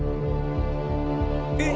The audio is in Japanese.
えっ！